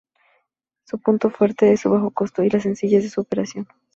Su punto fuerte es su bajo costo Y la sencillez de su operación.